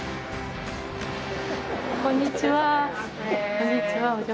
こんにちは。